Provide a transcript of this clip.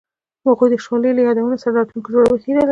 هغوی د شعله له یادونو سره راتلونکی جوړولو هیله لرله.